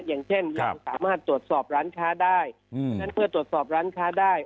อย่างเช่นตัวสอบร้านค้าได้แนะนำเพื่อตรวจสอบร้านค้าได้